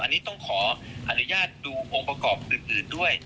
อันนี้ต้องขออนุญาตดูองค์ประกอบอื่นด้วย